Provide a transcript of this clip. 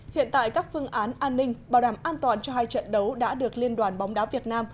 hiện tại các phương án an ninh bảo đảm an toàn cho hai trận đấu đã được liên đoàn bóng đá việt nam